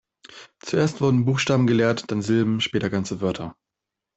Zuerst wurden Buchstaben gelehrt, dann Silben, später ganze Wörter.